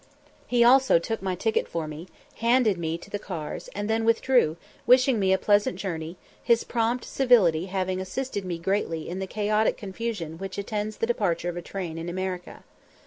He also took my ticket for me, handed me to the cars, and then withdrew, wishing me a pleasant journey, his prompt civility having assisted me greatly in the chaotic confusion which attends the departure of a train in America.